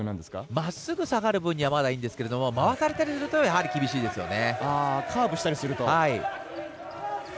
まっすぐ下がる分にはまだいいんですけど回されていると厳しいですね。